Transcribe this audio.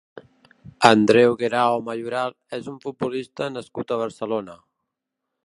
Andreu Guerao Mayoral és un futbolista nascut a Barcelona.